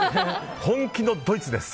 本気のドイツです。